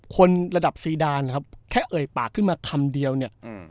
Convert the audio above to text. คนระดับซีดานนะครับแค่เอ่ยปากขึ้นมาคำเดียวเนี่ย